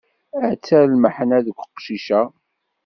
Atta lmeḥna deg uqcic-a!